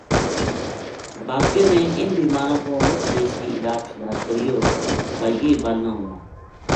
باقیاں نے اِنھ بیماراں کو مُچ دیسی علاج شلاج کریو با یہ بَل نہ ہویا